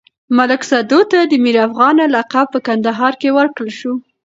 ملک سدو ته د ميرافغانه لقب په کندهار کې ورکړل شو.